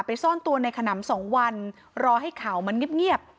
ไปซ่อนตัวในขนัมส์สองวันรอให้ข่าวมันเงียบเงียบ